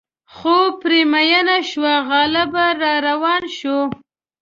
خو پرې مینه شوه غالبه را روان شو.